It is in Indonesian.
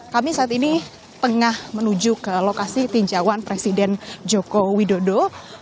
kami saat ini tengah menuju ke lokasi tinjauan presiden joko widodo